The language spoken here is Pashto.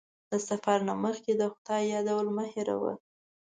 د سفر نه مخکې د خدای یادول مه هېروه.